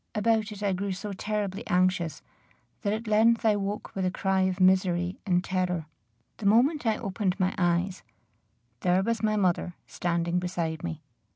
About it I grew so terribly anxious, that at length I woke with a cry of misery and terror. The moment I opened my eyes, there was my mother standing beside me.